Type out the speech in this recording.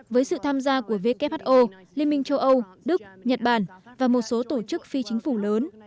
với sự tham gia của who liên minh châu âu đức nhật bản và một số tổ chức phi chính phủ lớn